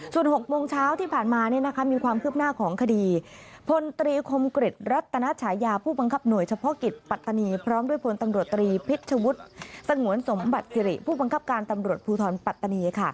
สงวนสมบัติศรีผู้บังคับการตำรวจภูทรปัตตานี